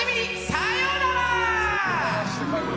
さようなら！